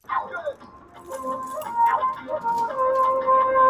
لټوم بایللی هوښ مي ستا په سترګو میخانو کي،